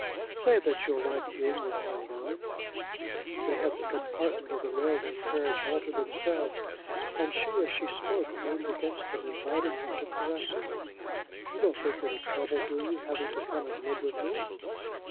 "Say that you'll like being with me alone." They had the compartment of the railway carriage all to themselves, and she, as she spoke, leaned against him, inviting him to caress her. "You don't think it a trouble, do you, having to come and live with me?"